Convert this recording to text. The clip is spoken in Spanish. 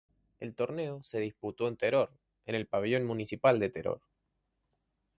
El torneo se disputó en Teror, en el Pabellón Municipal de Teror.